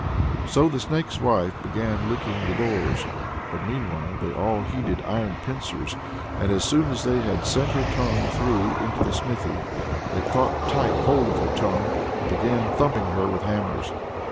So the Snake's Wife began licking the doors. But meanwhile they all heated iron pincers, and as soon as she had sent her tongue through into the smithy, they caught tight hold of her by the tongue, and began thumping her with hammers.